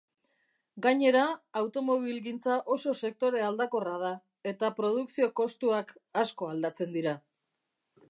Gainera, automobilgintza oso sektore aldakorra da eta produkzio-kostuak asko aldatzen dira